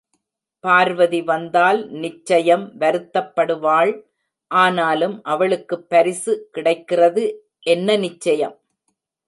பார்வதி வந்தால் நிச்சயம் வருத்தப்படுவாள்... ஆனாலும், அவளுக்குப் பரிசு கிடைக்கிறது என்ன நிச்சயம்?